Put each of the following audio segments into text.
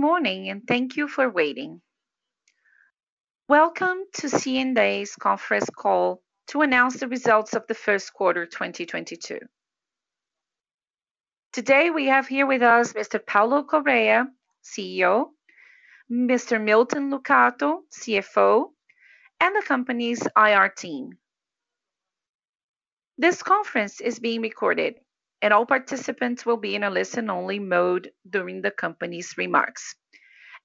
Good morning, and thank you for waiting. Welcome to C&A's conference call to announce the results of the first quarter 2022. Today we have here with us Mr. Paulo Correa Jr., CEO, Mr. Milton Lucato Filho, CFO, and the company's IR team. This conference is being recorded, and all participants will be in a listen only mode during the company's remarks.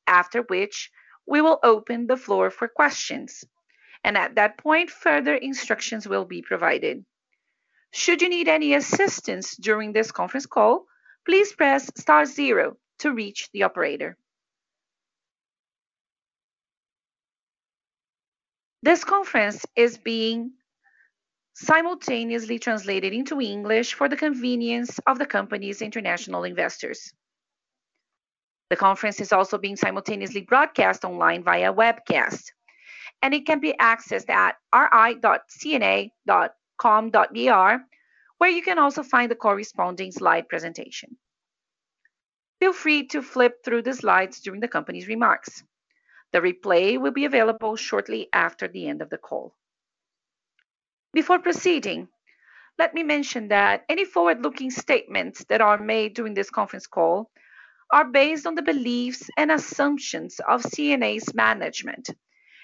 After which, we will open the floor for questions, and at that point, further instructions will be provided. Should you need any assistance during this conference call, please press star zero to reach the operator. This conference is being simultaneously translated into English for the convenience of the company's international investors. The conference is also being simultaneously broadcast online via webcast, and it can be accessed at ri.cea.com.br, where you can also find the corresponding slide presentation. Feel free to flip through the slides during the company's remarks. The replay will be available shortly after the end of the call. Before proceeding, let me mention that any forward-looking statements that are made during this conference call are based on the beliefs and assumptions of C&A's management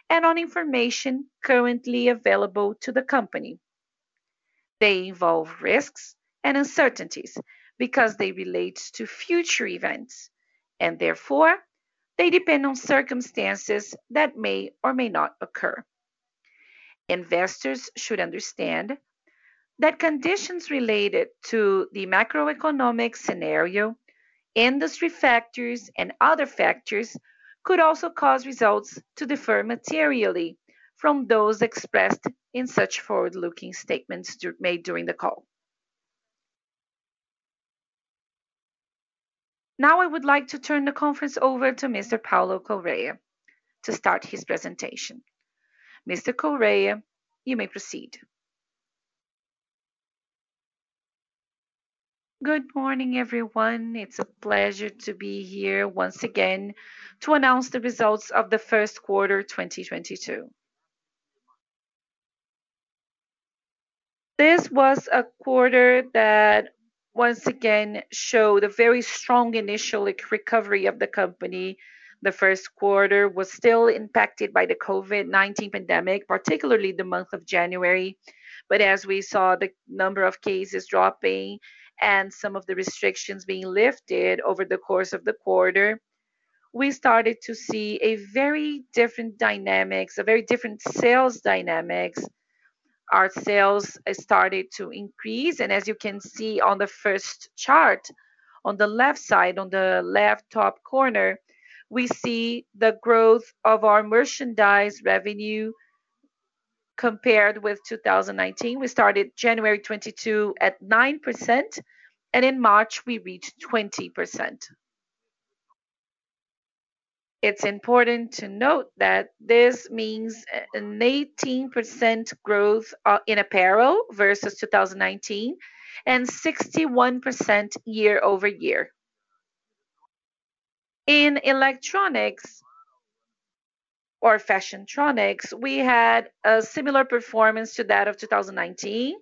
and on information currently available to the company. They involve risks and uncertainties because they relate to future events and therefore they depend on circumstances that may or may not occur. Investors should understand that conditions related to the macroeconomic scenario, industry factors, and other factors could also cause results to differ materially from those expressed in such forward-looking statements made during the call. Now I would like to turn the conference over to Mr. Paulo Correa Jr. to start his presentation. Mr. Correa Jr., you may proceed. Good morning, everyone. It's a pleasure to be here once again to announce the results of the first quarter 2022.This was a quarter that once again showed a very strong initial recovery of the company. The Q1 was still impacted by the COVID-19 pandemic, particularly the month of January. As we saw the number of cases dropping and some of the restrictions being lifted over the course of the quarter, we started to see a very different dynamics, a very different sales dynamics. Our sales started to increase. As you can see on the first chart on the left side, on the left top corner, we see the growth of our merchandise revenue compared with 2019. We started January 2022 at 9%, and in March we reached 20%. It's important to note that this means an 18% growth in apparel versus 2019 and 61% year-over-year. In electronics or Fashiontronics, we had a similar performance to that of 2019.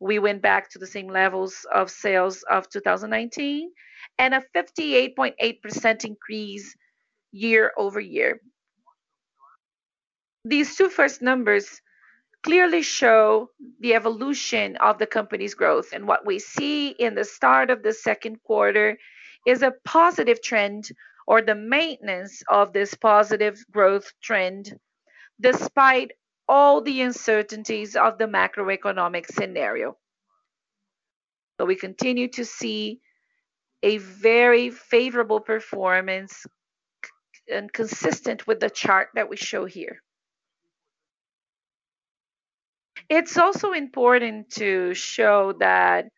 We went back to the same levels of sales of 2019 and a 58.8% increase year-over-year. These two first numbers clearly show the evolution of the company's growth. What we see in the start of the second quarter is a positive trend or the maintenance of this positive growth trend despite all the uncertainties of the macroeconomic scenario. We continue to see a very favorable performance in C&A and consistent with the chart that we show here. It's also important to show that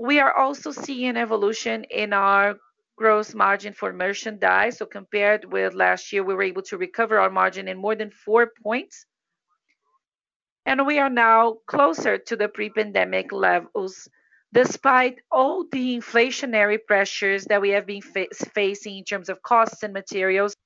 we are also seeing evolution in our gross margin for merchandise. Compared with last year, we were able to recover our margin in more than 4 points, and we are now closer to the pre-pandemic levels despite all the inflationary pressures that we have been facing in terms of costs and materials.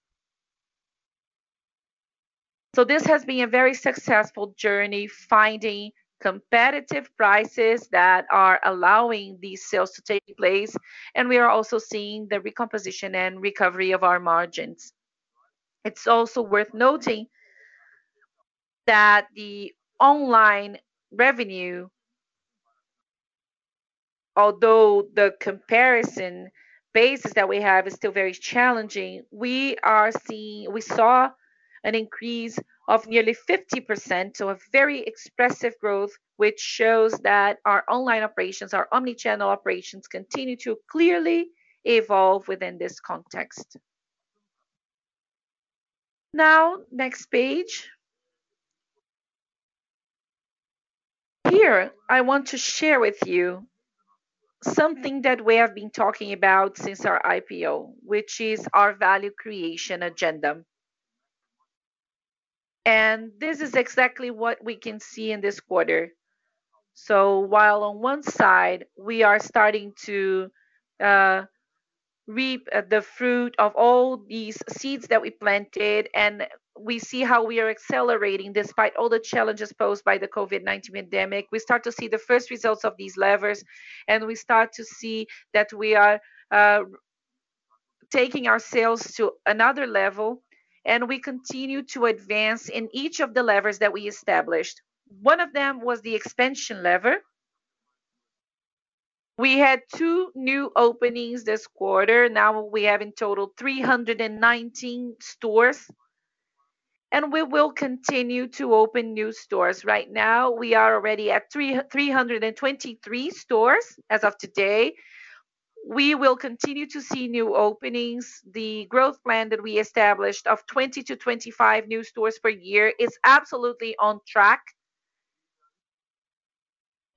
This has been a very successful journey, finding competitive prices that are allowing these sales to take place, and we are also seeing the recomposition and recovery of our margins. It's also worth noting that the online revenue, although the comparison basis that we have is still very challenging, we saw an increase of nearly 50% to a very expressive growth which shows that our online operations, our omnichannel operations continue to clearly evolve within this context. Now next page. Here, I want to share with you something that we have been talking about since our IPO, which is our value creation agenda. This is exactly what we can see in this quarter. While on one side we are starting to reap the fruit of all these seeds that we planted and we see how we are accelerating despite all the challenges posed by the COVID-19 pandemic, we start to see the first results of these levers, and we start to see that we are taking our sales to another level, and we continue to advance in each of the levers that we established. One of them was the expansion lever. We had two new openings this quarter. Now we have in total 319 stores, and we will continue to open new stores. Right now we are already at 323 stores as of today. We will continue to see new openings. The growth plan that we established of 20-25 new stores per year is absolutely on track.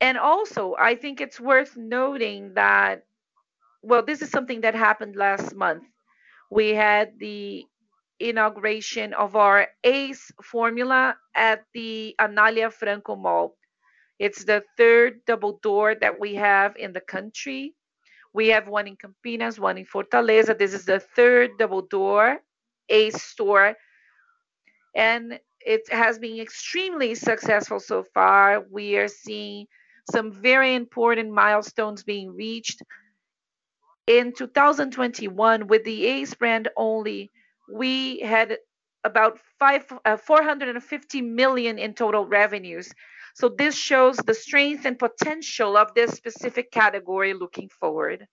I think it's worth noting that this is something that happened last month. We had the inauguration of our ACE format at the Anália Franco Mall. It's the third double door that we have in the country. We have one in Campinas, one in Fortaleza. This is the third double door ACE store, and it has been extremely successful so far. We are seeing some very important milestones being reached. In 2021, with the ACE brand only, we had about 450 million in total revenues. This shows the strength and potential of this specific category looking forward.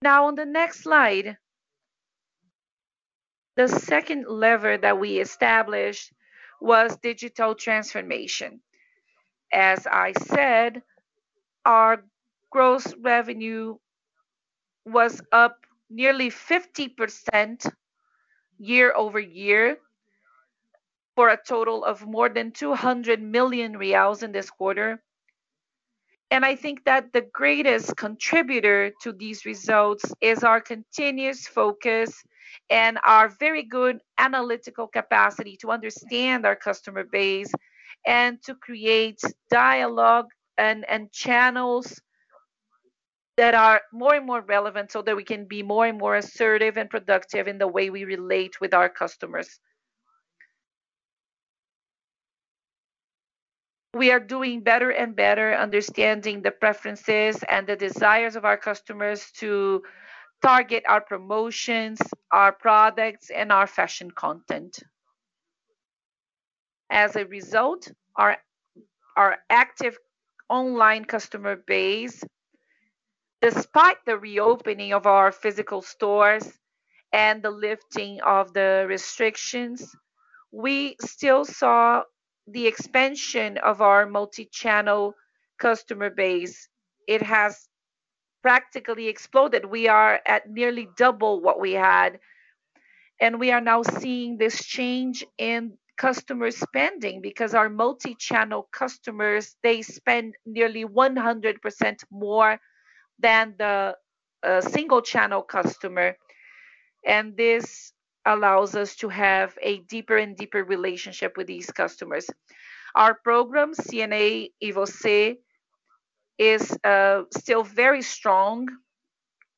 Now on the next slide, the second lever that we established was digital transformation. As I said, our gross revenue was up nearly 50% year-over-year for a total of more than 200 million reais in this quarter. I think that the greatest contributor to these results is our continuous focus and our very good analytical capacity to understand our customer base and to create dialogue, and channels that are more and more relevant so that we can be more and more assertive and productive in the way we relate with our customers. We are doing better and better understanding the preferences and the desires of our customers to target our promotions, our products, and our fashion content. As a result, our active online customer base, despite the reopening of our physical stores and the lifting of the restrictions, we still saw the expansion of our multi-channel customer base. It has practically exploded. We are at nearly double what we had, and we are now seeing this change in customer spending because our multi-channel customers, they spend nearly 100% more than the single channel customer. This allows us to have a deeper and deeper relationship with these customers. Our program, C&A e Você, is still very strong.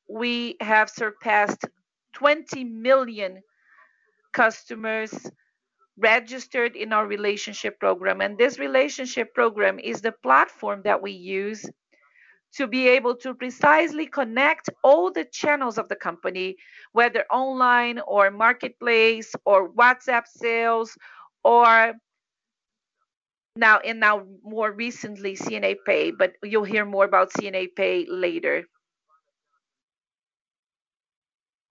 We have surpassed 20 million customers registered in our relationship program, and this relationship program is the platform that we use to be able to precisely connect all the channels of the company, whether online or marketplace or WhatsApp sales or now, and now more recently, C&A Pay, but you'll hear more about C&A Pay later.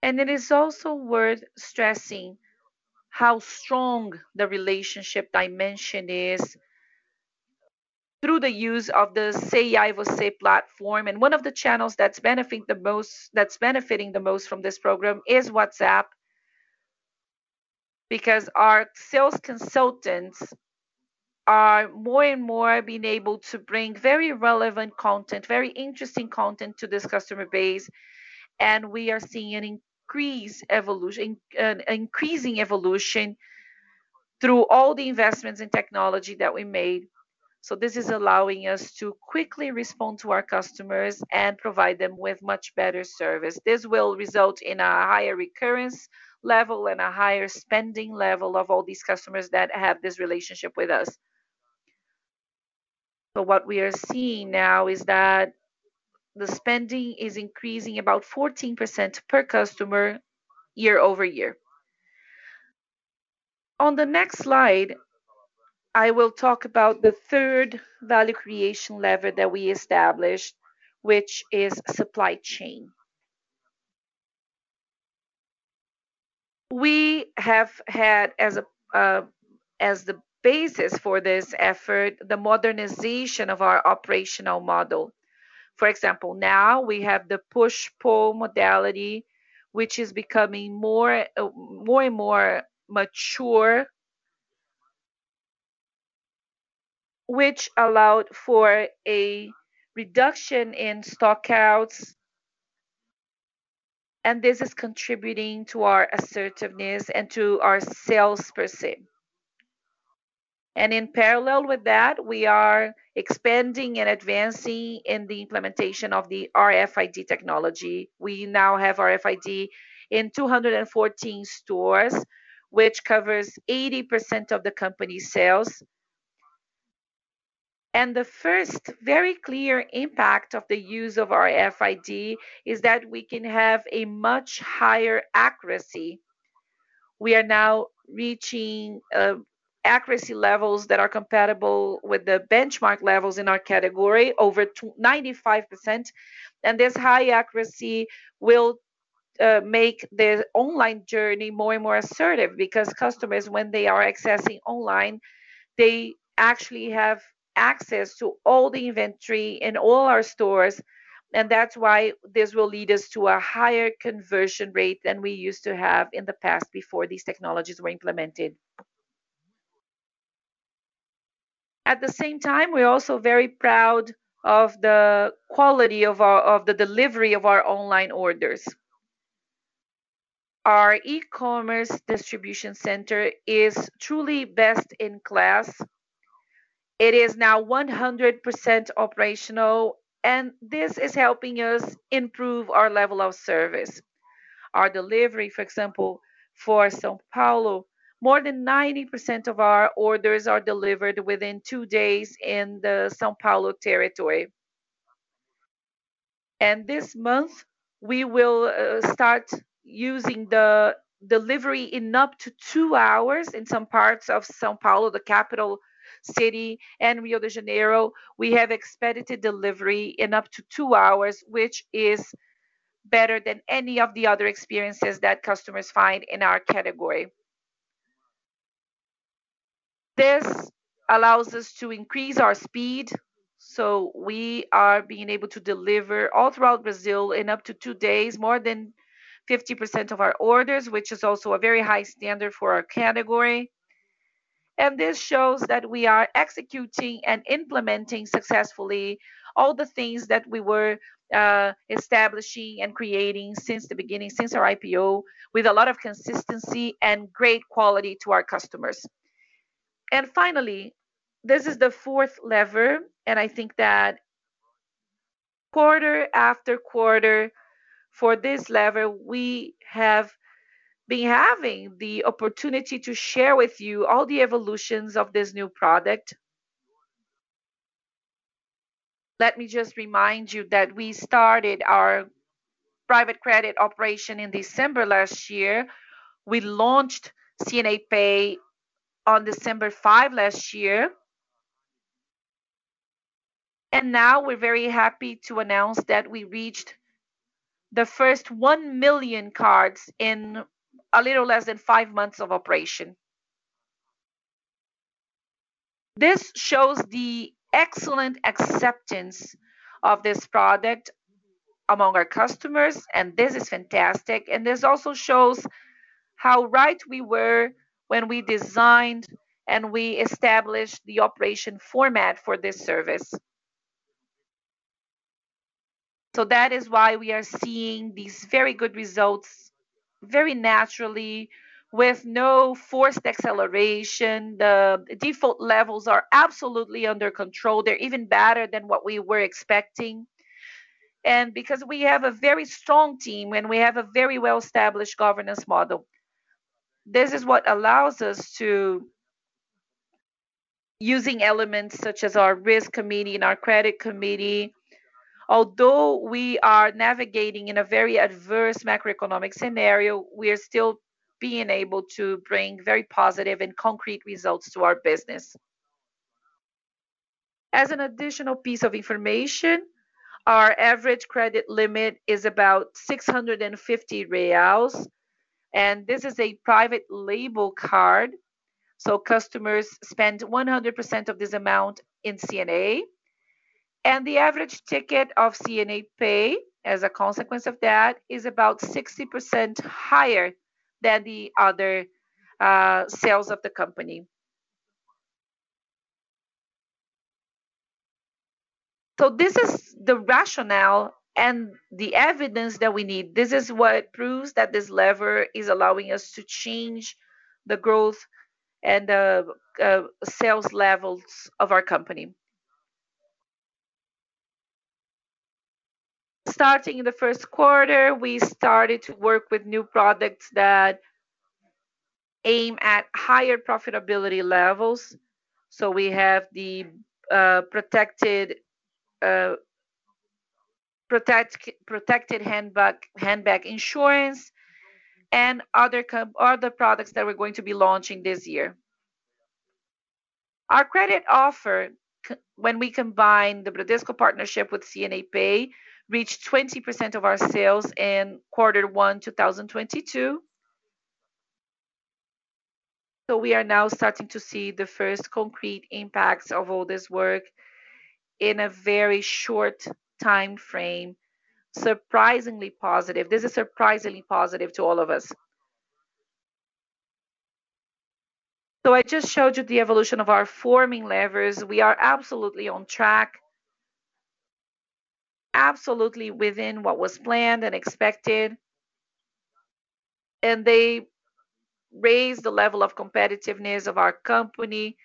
It is also worth stressing how strong the relationship dimension is through the use of the Sei Aí, Você platform, and one of the channels that's benefiting the most from this program is WhatsApp, because our sales consultants are more and more being able to bring very relevant content, very interesting content to this customer base, and we are seeing an increasing evolution through all the investments in technology that we made. This is allowing us to quickly respond to our customers, and provide them with much better service. This will result in a higher recurrence level and a higher spending level of all these customers that have this relationship with us. What we are seeing now is that the spending is increasing about 14% per customer year-over-year. On the next slide, I will talk about the third value creation lever that we established, which is supply chain. We have had as the basis for this effort, the modernization of our operational model. For example, now we have the push-pull modality, which is becoming more and more mature, which allowed for a reduction in stockouts, and this is contributing to our assertiveness and to our sales per se. In parallel with that, we are expanding and advancing in the implementation of the RFID technology. We now have RFID in 214 stores, which covers 80% of the company's sales. The first very clear impact of the use of RFID is that we can have a much higher accuracy. We are now reaching accuracy levels that are compatible with the benchmark levels in our category over 95%. This high accuracy will make the online journey more and more assertive because customers, when they are accessing online, they actually have access to all the inventory in all our stores, and that's why this will lead us to a higher conversion rate than we used to have in the past before these technologies were implemented. At the same time, we're also very proud of the quality of our of the delivery of our online orders. Our e-commerce distribution center is truly best in class. It is now 100% operational, and this is helping us improve our level of service. Our delivery, for example, for São Paulo, more than 90% of our orders are delivered within two days in the São Paulo territory. This month, we will start using the delivery in up to two hours in some parts of São Paulo, the capital city, and Rio de Janeiro. We have expedited delivery in up to 2 hours, which is better than any of the other experiences that customers find in our category. This allows us to increase our speed, so we are being able to deliver all throughout Brazil in up to 2 days, more than 50% of our orders, which is also a very high standard for our category. This shows that we are executing. And implementing successfully all the things that we were establishing and creating since the beginning, since our IPO, with a lot of consistency and great quality to our customers. Finally, this is the fourth lever, and I think that quarter after quarter for this lever, we have been having the opportunity to share with you all the evolutions of this new product. Let me just remind you that we started our private credit operation in December last year. We launched C&A Pay on December five last year. Now we're very happy to announce that we reached the first 1 million cards in a little less than five months of operation. This shows the excellent acceptance of this product among our customers, and this is fantastic. This also shows how right we were when we designed and we established the operation format for this service. That is why we are seeing these very good results very naturally with no forced acceleration. The default levels are absolutely under control. They're even better than what we were expecting. Because we have a very strong team, and we have a very well-established governance model, this is what allows us to, using elements such as our risk committee and our credit committee, although we are navigating in a very adverse macroeconomic scenario, we are still being able to bring very positive and concrete results to our business. As an additional piece of information, our average credit limit is about 650 reais, and this is a private label card, so customers spend 100% of this amount in C&A. The average ticket of C&A Pay, as a consequence of that, is about 60% higher than the other sales of the company. This is the rationale, and the evidence that we need. This is what proves that this lever is allowing us to change the growth and the sales levels of our company. Starting in the Q1, we started to work with new products that aim at higher profitability levels. We have the Bolsa Protegida and other products that we're going to be launching this year. Our credit offer, when we combine the Bradesco partnership with C&A Pay, reached 20% of our sales in quarter one 2022. We are now starting to see the first concrete impacts of all this work in a very short timeframe. Surprisingly positive. This is surprisingly positive to all of us. I just showed you the evolution of our forming levers. We are absolutely on track, absolutely within what was planned and expected, and they raise the level of competitiveness of our company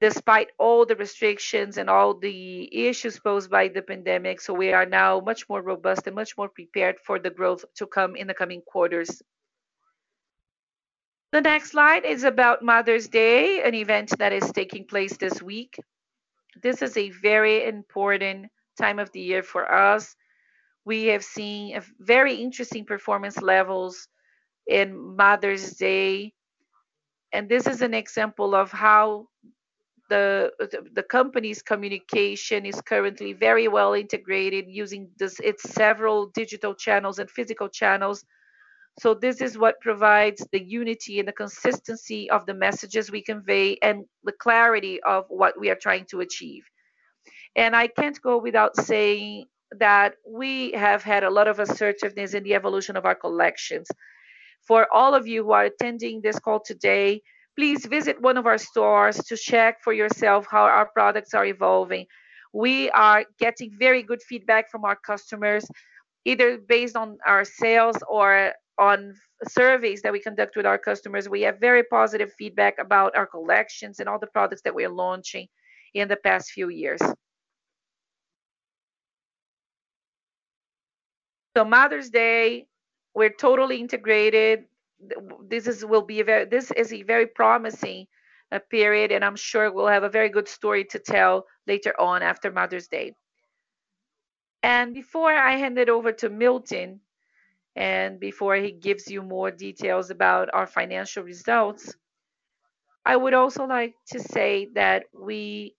despite all the restrictions and all the issues posed by the pandemic. We are now much more robust and much more prepared for the growth to come in the coming quarters. The next slide is about Mother's Day, an event that is taking place this week. This is a very important time of the year for us. We have seen a very interesting performance levels in Mother's Day, and this is an example of how the company's communication is currently very well integrated using its several digital channels and physical channels. This is what provides the unity and the consistency of the messages we convey and the clarity of what we are trying to achieve. I can't go without saying that we have had a lot of assertiveness in the evolution of our collections. For all of you who are attending this call today, please visit one of our stores to check for yourself how our products are evolving. We are getting very good feedback from our customers, either based on our sales or on surveys that we conduct with our customers. We have very positive feedback about our collections and all the products that we are launching in the past few years. Mother's Day, we're totally integrated. This is a very promising period, and I'm sure we'll have a very good story to tell later on after Mother's Day. Before I hand it over to Milton and before he gives you more details about our financial results, I would also like to say that we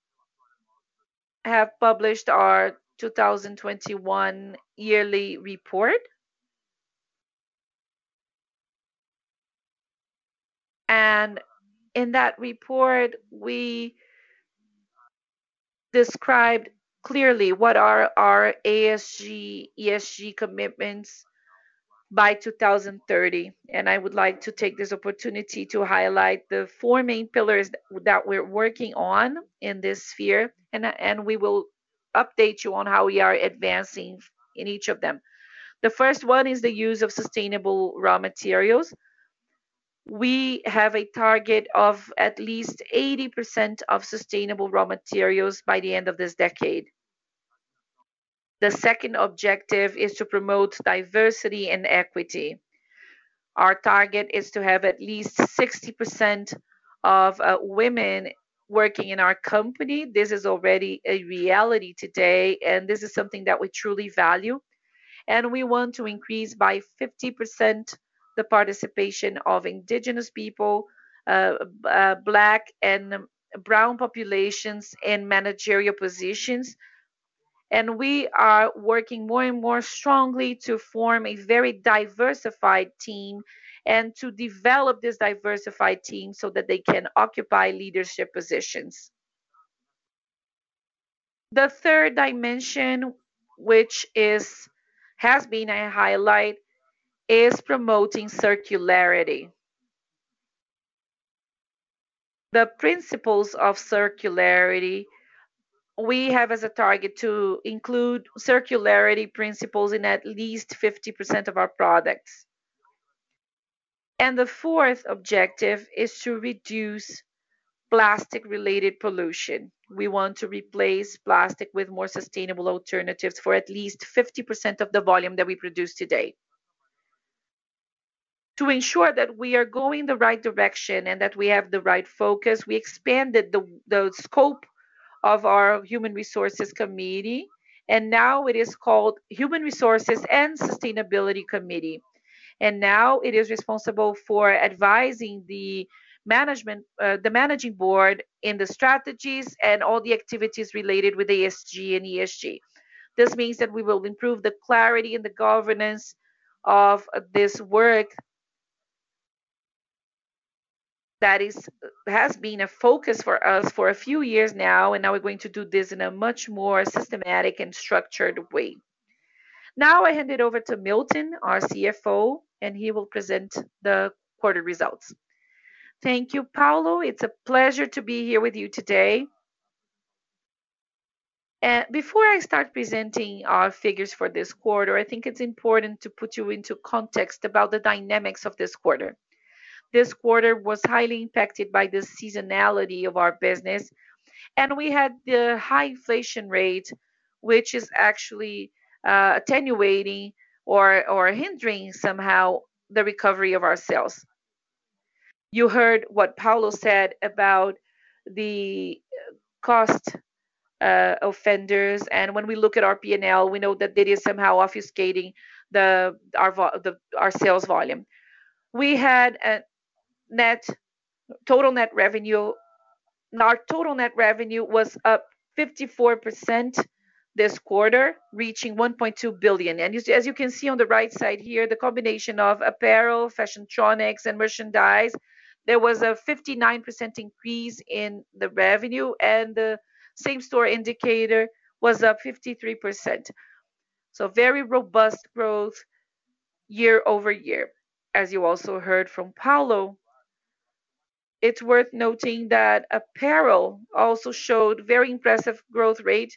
have published our 2021 yearly report. In that report, we describe clearly what are our ESG commitments by 2030, and I would like to take this opportunity to highlight the four main pillars that we're working on in this sphere, and we will update you on how we are advancing in each of them. The first one is the use of sustainable raw materials. We have a target of at least 80% of sustainable raw materials by the end of this decade. The second objective is to promote diversity and equity. Our target is to have at least 60% of women working in our company. This is already a reality today, and this is something that we truly value. We want to increase by 50% the participation of indigenous people, Black and brown populations in managerial positions. We are working more and more strongly to form a very diversified team and to develop this diversified team so that they can occupy leadership positions. The third dimension, which has been a highlight, is promoting circularity. The principles of circularity, we have as a target to include circularity principles in at least 50% of our products. The fourth objective is to reduce plastic-related pollution. We want to replace plastic with more sustainable alternatives for at least 50% of the volume that we produce today. To ensure that we are going the right direction and that we have the right focus, we expanded the scope of our human resources committee, and now it is called Human Resources and Sustainability Committee. Now it is responsible for advising the management, the managing board in the strategies and all the activities related with ESG. This means that we will improve the clarity and the governance of this work that has been a focus for us for a few years now, and now we're going to do this in a much more systematic, and structured way. Now I hand it over to Milton, our CFO, and he will present the quarter results. Thank you, Paulo. It's a pleasure to be here with you today. Before I start presenting our figures for this quarter, I think it's important to put you into context about the dynamics of this quarter. This quarter was highly impacted by the seasonality of our business, and we had the high inflation rate, which is actually attenuating or hindering somehow the recovery of our sales. You heard what Paulo said about the cost offenders, and when we look at our P&L, we know that it is somehow obfuscating our sales volume. Our total net revenue was up 54% this quarter, reaching 1.2 billion. As you can see on the right side here, the combination of apparel, Fashiontronics, and merchandise, there was a 59% increase in the revenue, and the same store indicator was up 53%. Very robust growth year-over-year. As you also heard from Paulo, it's worth noting that apparel also showed very impressive growth rate,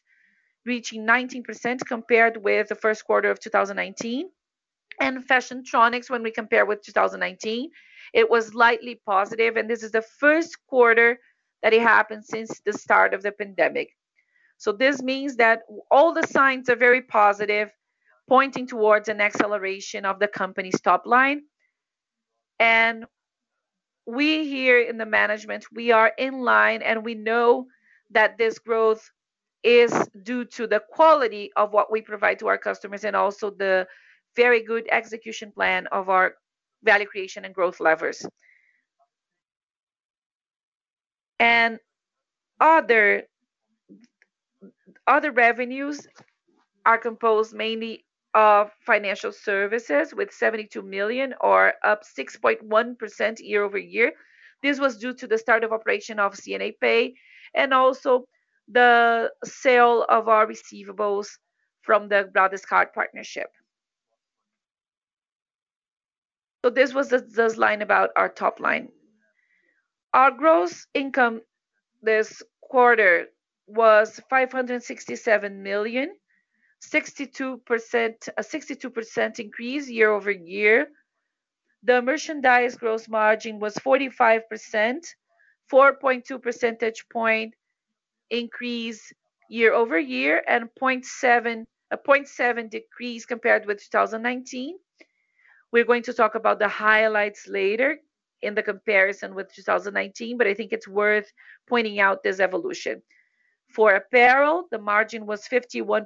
reaching 19% compared with the first quarter of 2019. Fashiontronics, when we compare with 2019, it was slightly positive, and this is the first quarter that it happened since the start of the pandemic. This means that all the signs are very positive, pointing towards an acceleration of the company's top line. We here in the management, we are in line, and we know that this growth is due to the quality of what we provide to our customers and also the very good execution plan of our value creation and growth levers. Other revenues are composed mainly of financial services with 72 million, up 6.1% year-over-year. This was due to the start of operation of C&A Pay and also the sale of our receivables from the Bradescard partnership. This was the line about our top line. Our gross income this quarter was BRL 567 million, 62% increase year-over-year. The merchandise gross margin was 45%, 4.2 percentage point increase year-over-year, and 0.7 decrease compared with 2019. We're going to talk about the highlights later in the comparison with 2019, but I think it's worth pointing out this evolution. For apparel, the margin was 51%,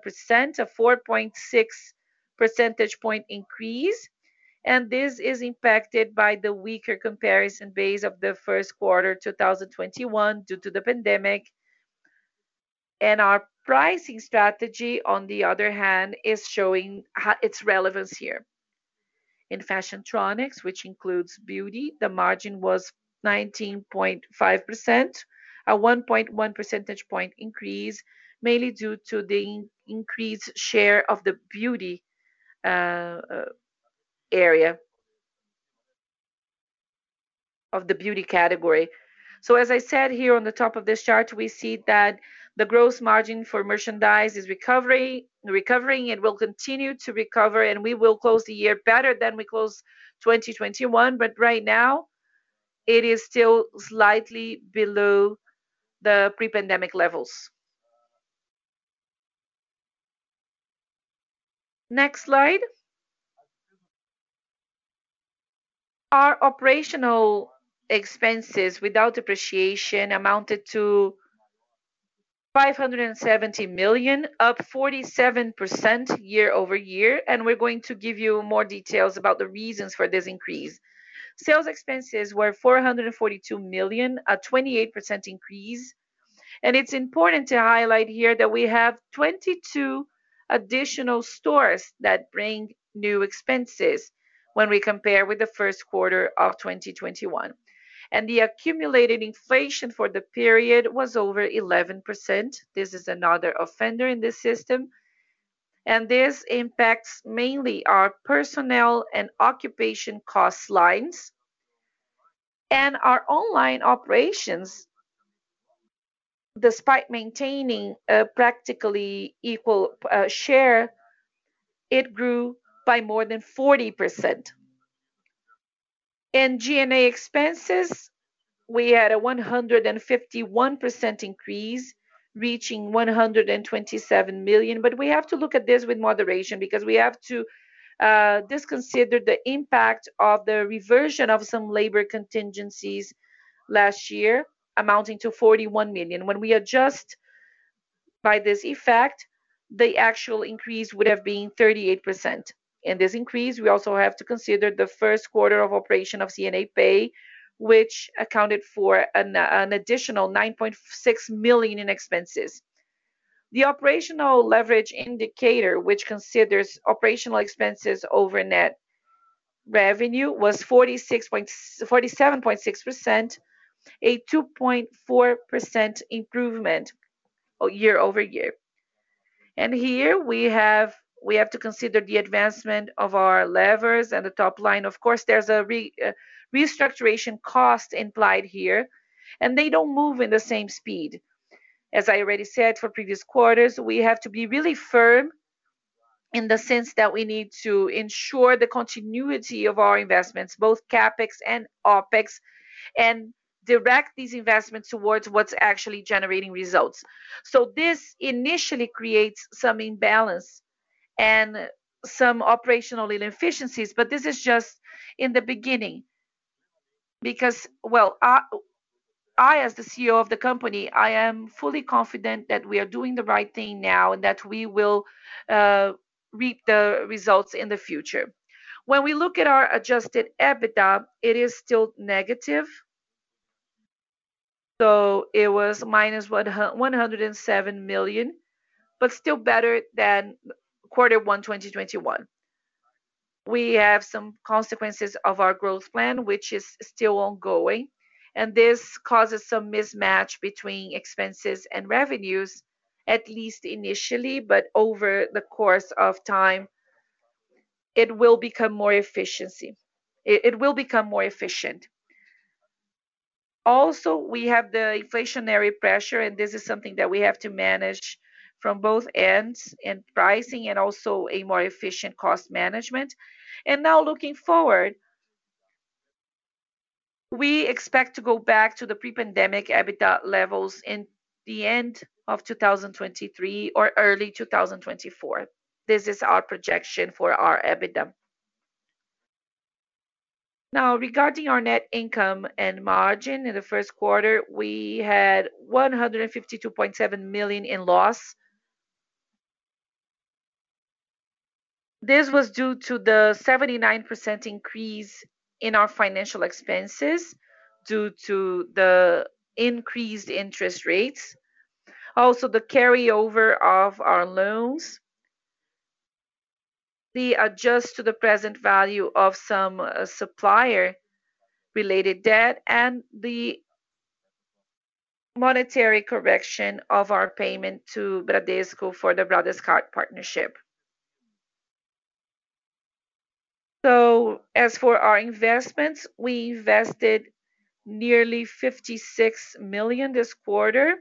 a 4.6 percentage point increase. This is impacted by the weaker comparison base of the first quarter 2021 due to the pandemic. Our pricing strategy, on the other hand, is showing its relevance here. In Fashiontronics, which includes beauty, the margin was 19.5%, a 1.1 percentage point increase, mainly due to the increased share of the beauty area of the beauty category. As I said here on the top of this chart, we see that the gross margin for merchandise is recovering. It will continue to recover, and we will close the year better than we closed 2021. Right now it is still slightly below the pre-pandemic levels. Next slide. Our operational expenses without depreciation amounted to 570 million, up 47% year-over-year, and we're going to give you more details about the reasons for this increase. Sales expenses were 442 million, a 28% increase. It's important to highlight here that we have 22 additional stores that bring new expenses when we compare with the first quarter of 2021. The accumulated inflation for the period was over 11%. This is another offender in this system. This impacts mainly our personnel and occupation cost lines. Our online operations, despite maintaining a practically equal share, it grew by more than 40%. In G&A expenses, we had a 151% increase, reaching 127 million. We have to look at this with moderation because we have to disregard the impact of the reversion of some labor contingencies last year amounting to 41 million. When we adjust by this effect, the actual increase would have been 38%. In this increase, we also have to consider the first quarter of operation of C&A Pay, which accounted for an additional 9.6 million in expenses. The operational leverage indicator, which considers operational expenses over net revenue, was 47.6%, a 2.4% improvement year-over-year. Here we have to consider the advancement of our levers and the top line. Of course, there's a restructuring cost implied here, and they don't move in the same speed. As I already said for previous quarters, we have to be really firm in the sense that we need to ensure the continuity of our investments, both CapEx and OpEx, and direct these investments towards what's actually generating results. This initially creates some imbalance and some operational inefficiencies, but this is just in the beginning because well, I as the CEO of the company, I am fully confident that we are doing the right thing now and that we will reap the results in the future. When we look at our adjusted EBITDA, it is still negative. It was minus 107 million, but still better than quarter one, 2021. We have some consequences of our growth plan, which is still ongoing, and this causes some mismatch between expenses and revenues, at least initially. Over the course of time, it will become more efficient. Also, we have the inflationary pressure, and this is something that we have to manage from both ends in pricing and also a more efficient cost management. Now looking forward, we expect to go back to the pre-pandemic EBITDA levels in the end of 2023 or early 2024. This is our projection for our EBITDA. Now, regarding our net income and margin, in the first quarter we had 152.7 million in loss. This was due to the 79% increase in our financial expenses due to the increased interest rates. Also the carryover of our loans, the adjustment to the present value of some supplier related debt and the monetary correction of our payment to Bradesco for the Bradescard partnership. As for our investments, we invested nearly 56 million this quarter.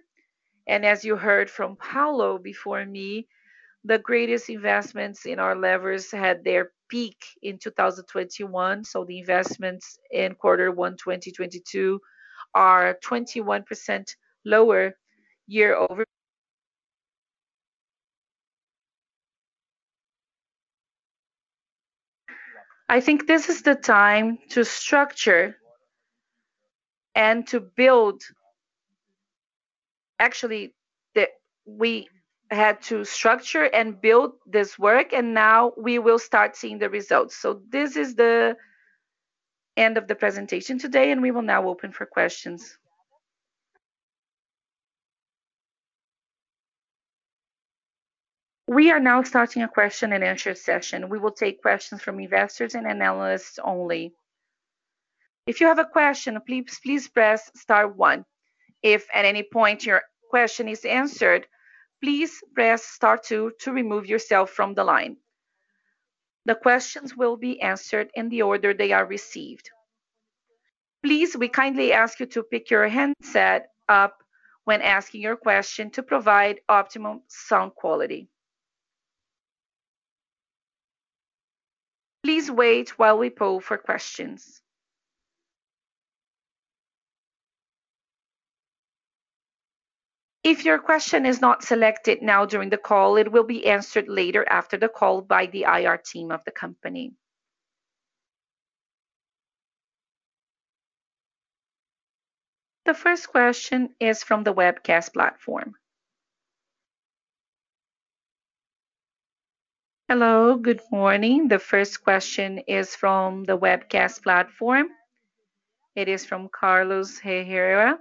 As you heard from Paulo before me, the greatest investments in our levers had their peak in 2021. The investments in Q1 2022 are 21% lower year over year. I think this is the time to structure and to build. Actually, we had to structure and build this work, and now we will start seeing the results. This is the end of the presentation today, and we will now open for questions. We are now starting a question and answer session. We will take questions from investors and analysts only. If you have a question, please press star one. If at any point your question is answered, please press star two to remove yourself from the line. The questions will be answered in the order they are received. Please, we kindly ask you to pick your handset up when asking your question to provide optimum sound quality. Please wait while we poll for questions. If your question is not selected now during the call, it will be answered later after the call by the IR team of the company. The first question is from the webcast platform. Hello, good morning. The first question is from the webcast platform. It is from Carlos Herrera.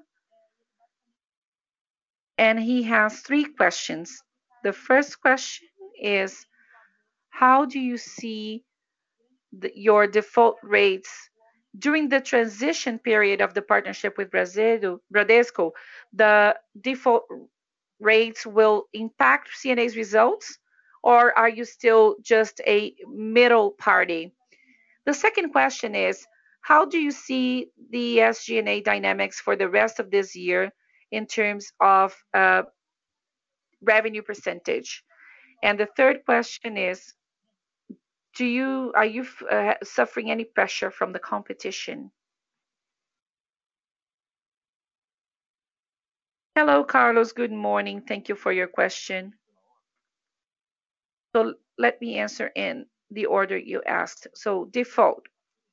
He has three questions. The first question is: How do you see your default rates during the transition period of the partnership with Bradesco, the default rates will impact C&A's results, or are you still just a middle party? The second question is: How do you see the SG&A dynamics for the rest of this year in terms of revenue percentage? The third question is: Are you suffering any pressure from the competition? Hello, Carlos. Good morning. Thank you for your question. Let me answer in the order you asked. Default.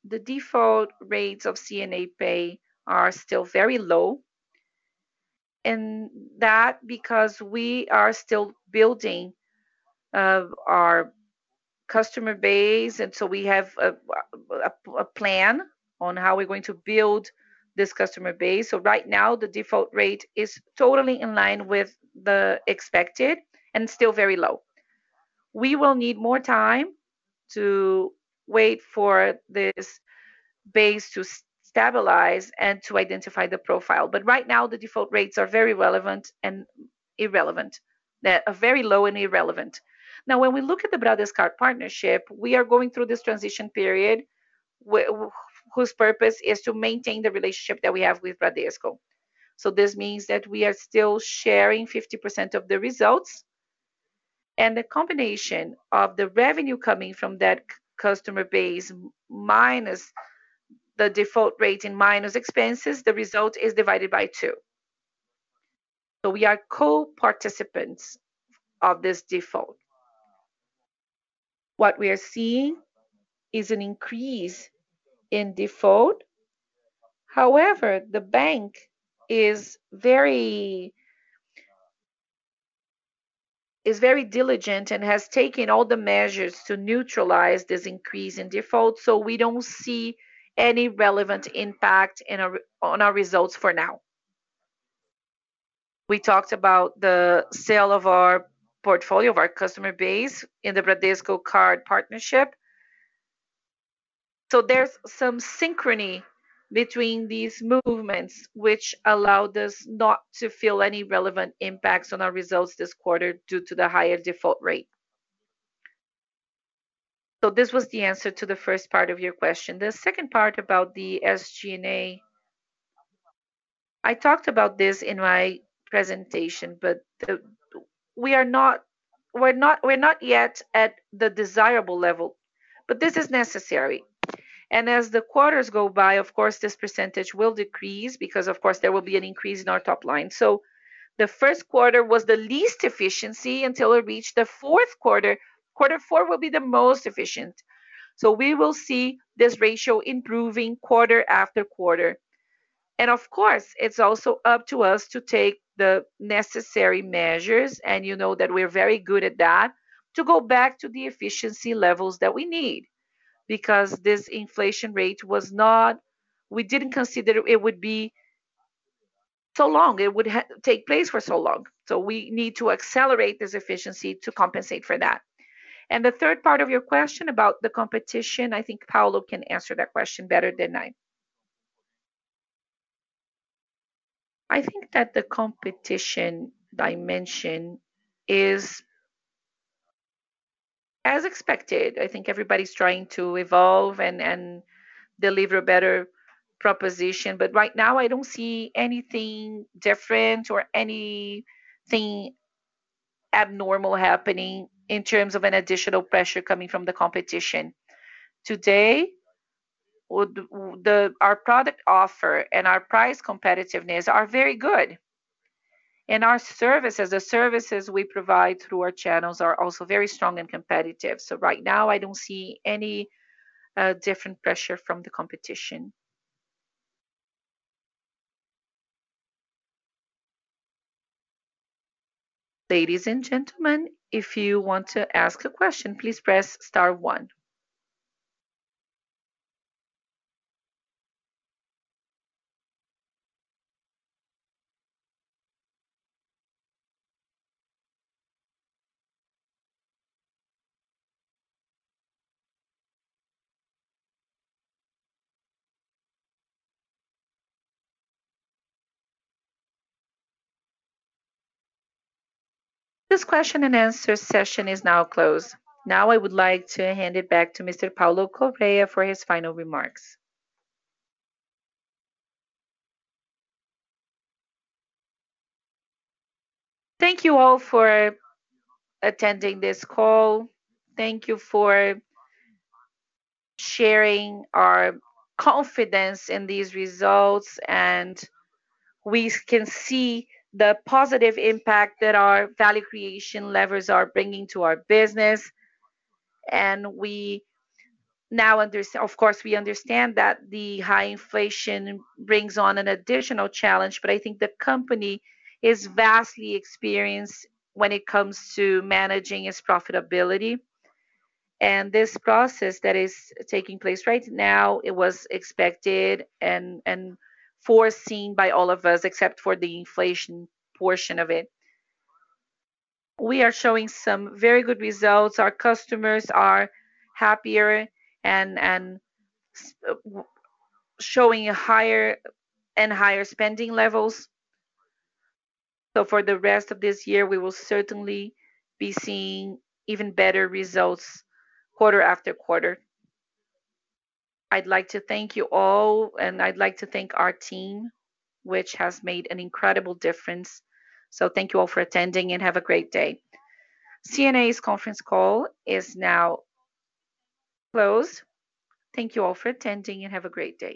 The default rates of C&A Pay are still very low, and that's because we are still building our customer base. We have a plan on how we're going to build this customer base. Right now the default rate is totally in line with the expected and still very low. We will need more time to wait for this base to stabilize and to identify the profile, but right now the default rates are very low and irrelevant. They're very low and irrelevant. Now, when we look at the Bradescard partnership, we are going through this transition period whose purpose is to maintain the relationship that we have with Bradesco. This means that we are still sharing 50% of the results and the combination of the revenue coming from that customer base minus the default rate and minus expenses, the result is divided by two. We are co-participants of this default. What we are seeing is an increase in default. However, the bank is very diligent and has taken all the measures to neutralize this increase in default, so we don't see any relevant impact on our results for now. We talked about the sale of our portfolio, of our customer base in the Bradesco card partnership. There's some synchrony between these movements which allowed us not to feel any relevant impacts on our results this quarter due to the higher default rate. This was the answer to the first part of your question. The second part about the SG&A, I talked about this in my presentation, but we're not yet at the desirable level, but this is necessary. As the quarters go by, of course, this percentage will decrease because of course, there will be an increase in our top line. The first quarter was the least efficient until it reached the Q4. Quarter four will be the most efficient. We will see this ratio improving quarter after quarter. Of course, it's also up to us to take the necessary measures, and you know that we're very good at that, to go back to the efficiency levels that we need. Because this inflation rate was not. We didn't consider it would be so long, it would take place for so long. We need to accelerate this efficiency to compensate for that. The third part of your question about the competition, I think Paulo can answer that question better than I. I think that the competition dimension is as expected. I think everybody's trying to evolve and deliver a better proposition. Right now I don't see anything different or anything abnormal happening in terms of an additional pressure coming from the competition. Today, our product offer and our price competitiveness are very good. Our services, the services we provide through our channels are also very strong and competitive. Right now I don't see any different pressure from the competition. Ladies and gentlemen, if you want to ask a question, please press star one. This question and answer session is now closed. Now I would like to hand it back to Mr. Paulo Correa for his final remarks. Thank you all for attending this call. Thank you for sharing our confidence in these results, and we can see the positive impact that our value creation levers are bringing to our business. Of course, we understand that the high inflation brings on an additional challenge, but I think the company is vastly experienced when it comes to managing its profitability. This process that is taking place right now, it was expected and foreseen by all of us except for the inflation portion of it. We are showing some very good results. Our customers are happier and showing a higher and higher spending levels. For the rest of this year, we will certainly be seeing even better results quarter after quarter. I'd like to thank you all, and I'd like to thank our team, which has made an incredible difference. Thank you all for attending, and have a great day. C&A's conference call is now closed. Thank you all for attending, and have a great day.